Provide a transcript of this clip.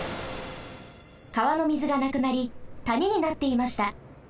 かわのみずがなくなりたにになっていました。